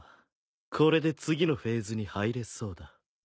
これで次のフェーズに入れそうだ。